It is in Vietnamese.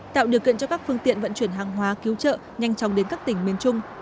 tạo điều kiện cho các phương tiện vận chuyển hàng hóa cứu trợ nhanh chóng đến các tỉnh miền trung